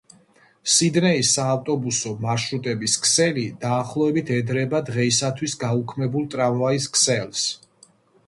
სიდნეის საავტობუსო მარშრუტების ქსელი დაახლოებით ედრება დღეისათვის გაუქმებულ ტრამვაის ქსელს.